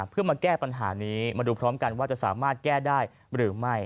เพื่อมาแก้ปัญหานี้มาดูพร้อมกันว่าจะสามารถแก้ได้หรือไม่